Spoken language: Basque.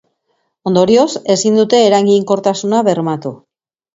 Ondorioz, ezin dute eraginkortasuna bermatu.